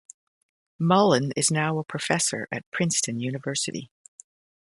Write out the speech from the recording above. Mullen is now a Professor at Princeton University.